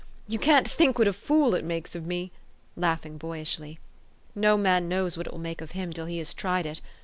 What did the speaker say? You can't think what a fool it makes of me," laughing boyishly. "No man knows what it will make of him, till he has tried it.